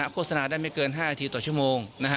โฆษณาได้ไม่เกิน๕นาทีต่อชั่วโมง